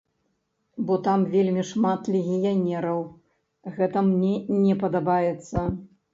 Бо там вельмі шмат легіянераў, гэта мне не падабаецца.